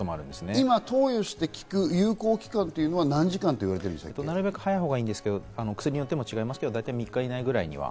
今、投与して効く有効期間となるべく早いほうがいいですけど、薬によって違いますけど、大体３日。